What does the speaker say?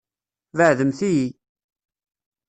Beɛɛdemt-iyi!